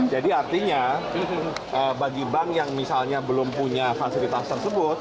jadi artinya bagi bank yang misalnya belum punya fasilitas tersebut